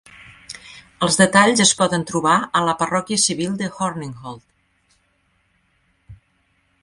Els detalls es poden trobar a la parròquia civil de Horninghold.